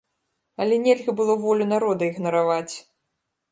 Але нельга было волю народа ігнараваць!